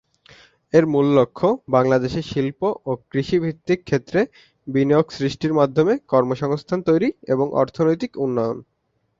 এর মূল লক্ষ্য বাংলাদেশে শিল্প ও কৃষি ভিত্তিক ক্ষেত্রে বিনিয়োগ সৃষ্টির মাধ্যমে কর্মসংস্থান তৈরী এবং অর্থনৈতিক উন্নয়ন।